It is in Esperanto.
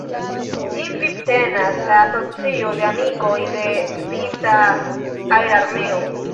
Ĝin vivtenas la Asocio de amikoj de svisa aerarmeo.